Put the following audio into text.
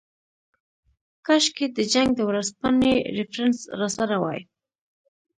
کاشکې د جنګ د ورځپاڼې ریفرنس راسره وای.